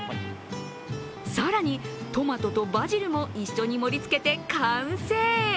更に、トマトとバジルも一緒に盛りつけて完成！